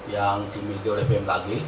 yang dimiliki oleh bmkg